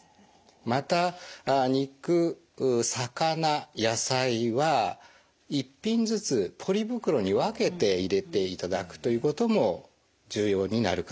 また肉・魚・野菜は１品ずつポリ袋に分けて入れていただくということも重要になるかと思います。